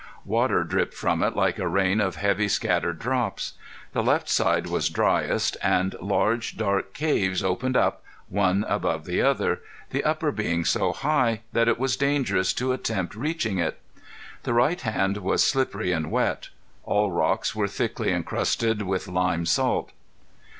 Water dripped from it like a rain of heavy scattered drops. The left side was dryest and large, dark caves opened up, one above the other, the upper being so high that it was dangerous to attempt reaching it. The right side was slippery and wet. All rocks were thickly encrusted with lime salt.